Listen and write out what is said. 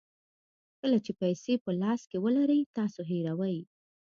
کله چې پیسې په لاس کې ولرئ تاسو هیروئ.